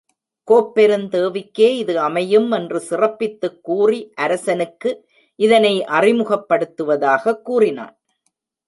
கோப்பெருந்தேவிக்கே இது அமையும் என்று சிறப் பித்துக் கூறி அரசனுக்கு இதனை அறிமுகப்படுத்துவதாகக் கூறினான்.